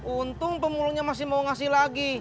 untung pemulungnya masih mau ngasih lagi